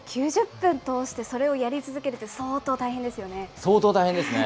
９０分通して、それをやり続けるって、相当大変ですよね。